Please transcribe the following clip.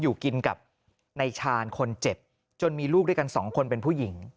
อยู่กินกับนายชาญคนเจ็บจนมีลูกด้วยกันสองคนเป็นผู้หญิง